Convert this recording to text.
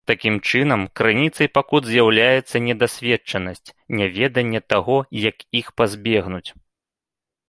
Такім чынам, крыніцай пакут з'яўляецца недасведчанасць, няведанне таго, як іх пазбегнуць.